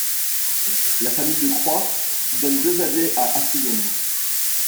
La famille de Croÿ donne deux abbés à Affligem.